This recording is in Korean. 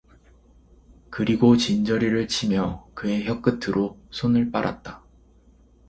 그리고 진저리를 치며 그 의 혀끝으로 손을 빨았다.